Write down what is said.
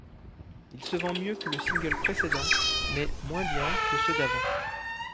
Il se vend mieux que le single précédent, mais moins bien que ceux d'avant.